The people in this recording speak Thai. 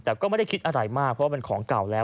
แต่ก็ไม่ได้คิดอะไรมากเพราะว่ามันของเก่าแล้ว